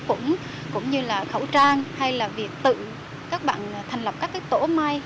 sắc củng cũng như là khẩu trang hay là việc tự các bạn thành lập các cái tổ may